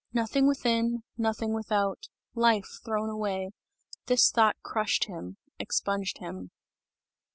"Nothing within, nothing without! Life thrown away!" This thought, crushed him expunged him.